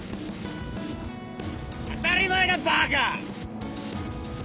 当たり前だバカ！